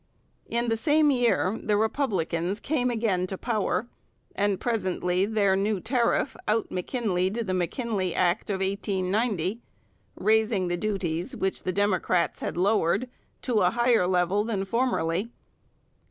In the same year the Republicans came again to power, and presently their new tariff out M'Kinleyed the M'Kinley Act of 1890, raising the duties, which the Democrats had lowered, to a higher level than formerly.